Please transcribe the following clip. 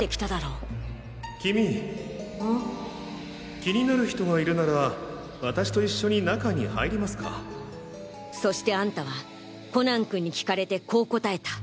気になる人がいるなら私と一緒に中に入りそしてアンタはコナン君に聞かれてこう答えた。